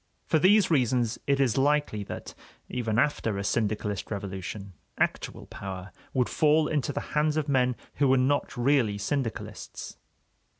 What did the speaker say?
For these reasons it is likely that, even after a syndicalist revolution, actual power would fall into the hands of men who were not really syndicalists.